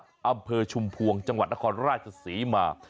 อำเภอชุมพวงจังหวัดนครราชศรีมา